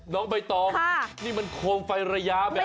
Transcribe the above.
น้องใบตองนี่มันโครงไฟระยะแบบไหนเนอะ